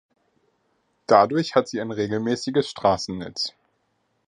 Dadurch hat sie ein regelmäßiges Straßennetz.